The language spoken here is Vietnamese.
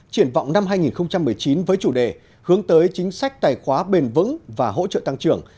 triển vọng năm hai nghìn một mươi chín với chủ đề hướng tới chính sách tài khoá bền vững và hỗ trợ tăng trưởng